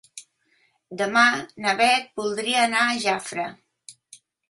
Demà na Beth voldria anar a Jafre.